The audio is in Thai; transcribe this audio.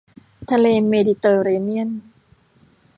ทะเลเมดิเตอร์เรเนียน